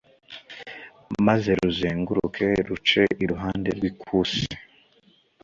maze ruzenguruke ruce iruhande rw ikusi